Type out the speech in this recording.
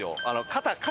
肩肩。